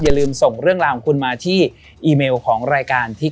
อย่าลืมส่งเรื่องราวของคุณมาที่อีเมลของรายการที่